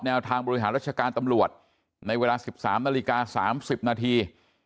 ทางบริหารราชการตำรวจในเวลา๑๓นาฬิกา๓๐นาที